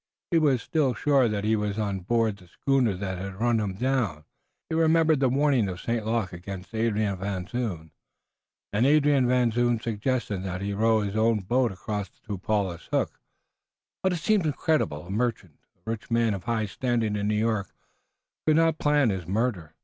He was still sure that he was on board the schooner that had run him down. He remembered the warning of St. Luc against Adrian Van Zoon, and Adrian Van Zoon's suggestion that he row his own boat across to Paulus Hook. But it seemed incredible. A merchant, a rich man of high standing in New York, could not plan his murder.